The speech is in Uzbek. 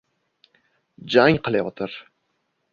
Jang qilayotir.